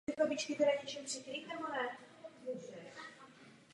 Promiňte, slečno, pak vás musím přesvědčit.